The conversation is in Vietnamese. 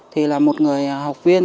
thì là một người học viên